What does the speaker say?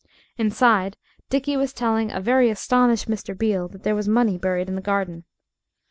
Inside Dickie was telling a very astonished Mr. Beale that there was money buried in the garden.